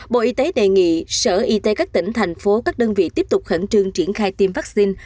bộ y tế đề nghị sở y tế các tỉnh thành phố các đơn vị tiếp tục khẩn trương triển khai tiêm vaccine